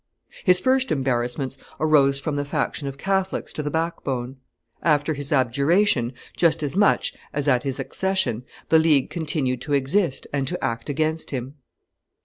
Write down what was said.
His first embarrassments arose from the faction of Catholics to the backbone. After his abjuration just as much as at his accession, the League continued to exist and to act against him.